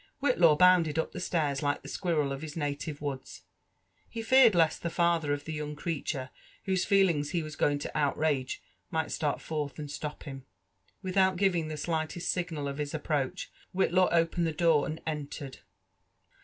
" Whitlaw bounded up the stairs like the squirrel of his native woods : he feared lest the. father of the young creature whose fedings he was going to outrage might start forth and stop him. Without giving the slightest signal of his approach, Whitlaw opened the door and entered.